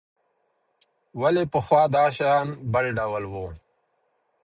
ولې پخوا شیان بل ډول وو؟